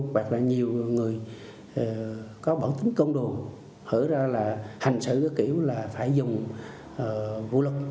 hoặc là nhiều người có bản tính côn đồ hở ra là hành xử với kiểu là phải dùng vũ lực